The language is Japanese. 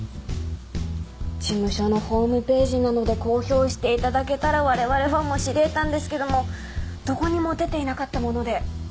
事務所のホームページなどで公表していただけたら我々ファンも知り得たんですけどもどこにも出ていなかったもので。